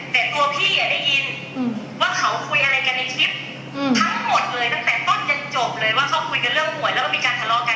แต่ตัวพี่ได้ยินว่าเขาคุยอะไรกันในคลิปทั้งหมดเลยตั้งแต่ต้นจนจบเลยว่าเขาคุยกันเรื่องหวยแล้วก็มีการทะเลาะกัน